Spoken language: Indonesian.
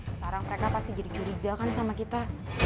sekarang mereka pasti jadi curiga kan sama kita